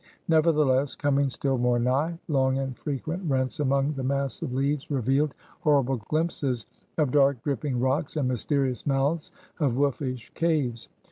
Nevertheless, coming still more nigh, long and frequent rents among the mass of leaves revealed horrible glimpses of dark dripping rocks, and mysterious mouths of wolfish caves.